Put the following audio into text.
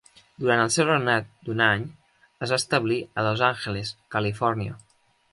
Durant el seu regnat d'un any, es va establir a Los Angeles, Califòrnia.